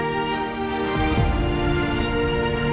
yuk kita naik